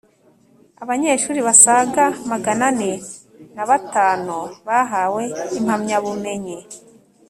Abanyeshuri basaga magana ane nabatanu bahawe impamyabumenyi